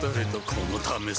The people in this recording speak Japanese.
このためさ